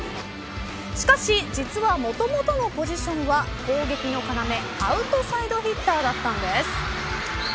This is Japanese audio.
しかし、実はもともとのポジションは攻撃の要、アウトサイドヒッターだったんです。